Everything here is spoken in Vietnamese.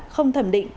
không thẩm định